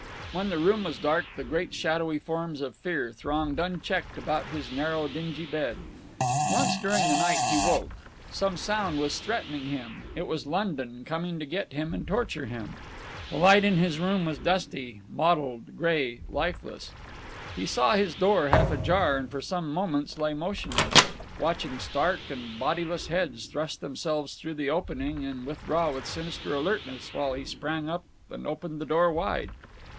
When the room was dark the great shadowy forms of fear thronged unchecked about his narrow dingy bed. Once during the night he woke. Some sound was threatening him. It was London, coming to get him and torture him. The light in his room was dusty, mottled, gray, lifeless. He saw his door, half ajar, and for some moments lay motionless, watching stark and bodiless heads thrust themselves through the opening and withdraw with sinister alertness till he sprang up and opened the door wide.